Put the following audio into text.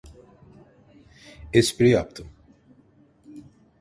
Espri yaptım.